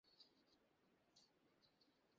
এবার, আপনার বন্দুকের উপর থেকে হাত সরান।